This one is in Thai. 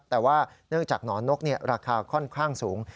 แต่ว่าเนื่องจากหนอนนกราคาค่อนข้างสูง